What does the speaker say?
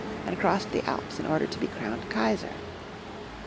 and crossed the Alps in order to be crowned Kaisar.